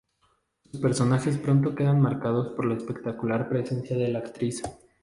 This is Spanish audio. Sus personajes pronto quedan marcados por la espectacular presencia de la actriz.